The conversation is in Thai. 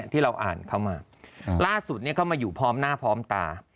ที่เราอ่านเข้ามาล่าสุดก็มาอยู่พร้อมหน้าพร้อมตา